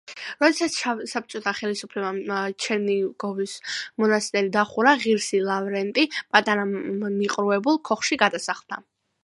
როდესაც საბჭოთა ხელისუფლებამ ჩერნიგოვოს მონასტერი დახურა, ღირსი ლავრენტი პატარა მიყრუებულ ქოხში გადასახლდა.